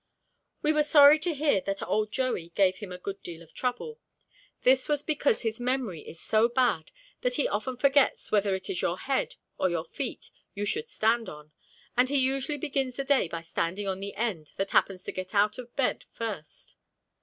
We were sorry to hear that old Joey gave him a good deal of trouble. This was because his memory is so bad that he often forgets whether it is your head or your feet you should stand on, and he usually begins the day by standing on the end that happens to get out of bed first.